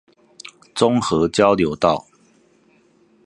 中和交流道